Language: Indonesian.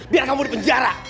biar kamu di penjara